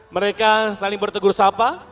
mereka saling bertegur sapa